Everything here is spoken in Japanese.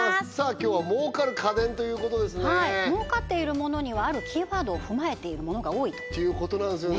今日は儲かる家電ということですね儲かっているものにはあるキーワードを踏まえているものが多いとていうことなんですよね